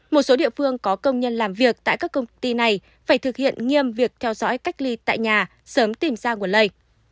một số địa phương có công nhân làm việc tại các công ty này phải thực hiện nghiêm việc theo dõi cách ly tại nhà sớm tìm ra nguồn lây